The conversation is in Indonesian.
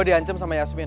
gue di ancam sama yasmin